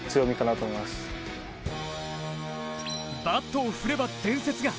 バットを振れば伝説が。